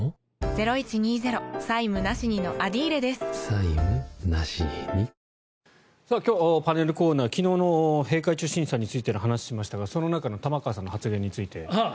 最終回は今日、パネルコーナー昨日の閉会中審査についての話をしましたがその中の玉川さんの発言について。